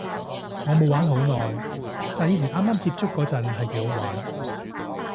我冇玩好耐，但以前啱啱接觸嗰陣係幾好玩